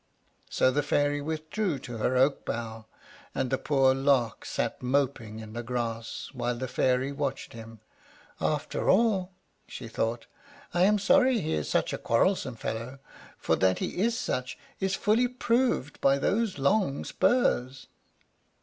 So the Fairy withdrew to her oak bough, and the poor Lark sat moping in the grass while the Fairy watched him. "After all," she thought, "I am sorry he is such a quarrelsome fellow, for that he is such is fully proved by those long spurs."